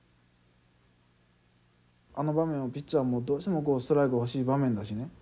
あの場面はピッチャーはどうしてもストライク欲しい場面だしね